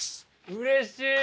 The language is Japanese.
うれしい！